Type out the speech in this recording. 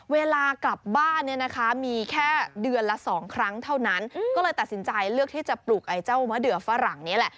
เวลากลับบ้านเนี่ยนะคะมีแค่เดือนละสองครั้งเท่านั้นก็เลยตัดสินใจเลือกที่จะปลูกไอ้เจ้ามะเดือฝรั่งนี้แหละ